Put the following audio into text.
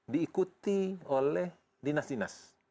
diikuti oleh dinas dinas